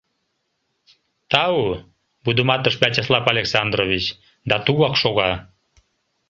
— Тау, — вудыматыш Вячеслав Александрович да тугак шога.